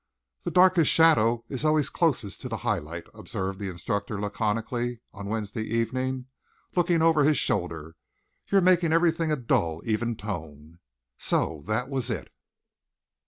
"The darkest shadow is always closest to the high light," observed his instructor laconically on Wednesday evening, looking over his shoulder. "You're making everything a dull, even tone." So that was it.